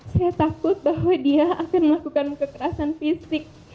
saya takut bahwa dia akan melakukan kekerasan fisik